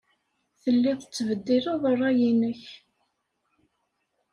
Telliḍ tettbeddileḍ ṛṛay-nnek.